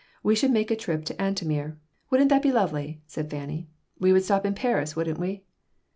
We should take a trip to Antomir." "Wouldn't that be lovely!" said Fanny. "We would stop in Paris, wouldn't we?"